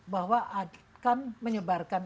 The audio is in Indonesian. bahwa akan menyebarkan